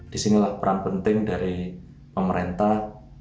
disinilah peran penting dari pemerintah